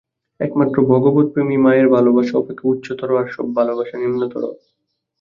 একমাত্র ভগবৎ-প্রেমই মায়ের ভালবাসা অপেক্ষা উচ্চতর, আর সব ভালবাসা নিম্নতর।